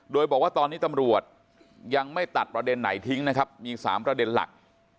โดยบอกว่าตอนนี้ตำรวจยังไม่ตัดประเด็นไหนทิ้งนะครับมี๓ประเด็นหลัก